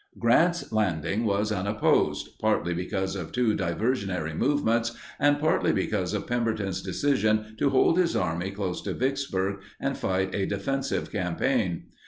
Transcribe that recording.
Grant's landing was unopposed, partly because of two diversionary movements and partly because of Pemberton's decision to hold his army close to Vicksburg and fight a defensive campaign.